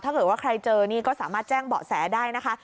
ถ้าเกิดว่าใครเจอนี่ก็สามารถแจ้งเบาะแสได้นะคะ